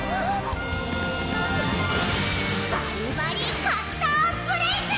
バリバリカッターブレイズ！